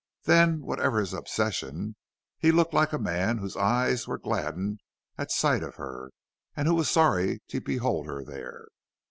Then, whatever his obsession, he looked like a man whose eyes were gladdened at sight of her and who was sorry to behold her there.